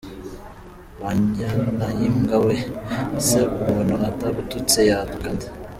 Wa nyanayimbwa we, se umuntu atagututse yatuka nde?